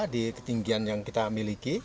di ketinggian yang kita miliki